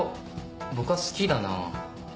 僕は好きだな。